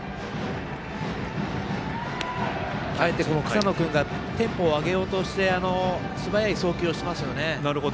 草野君がテンポを上げようとして素早い送球をしますよね。